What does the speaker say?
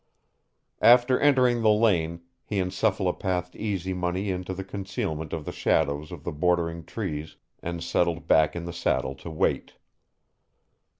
After entering the lane, he encephalopathed Easy Money into the concealment of the shadows of the bordering trees and settled back in the saddle to wait.